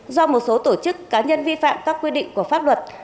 do một số tổ chức cá nhân vi phạm các quy định của pháp luật